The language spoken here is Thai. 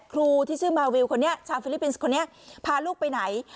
ครูที่ชื่อมาวิวคนนี้ชาวฟิลิปปินส์คนนี้พาลูกไปไหน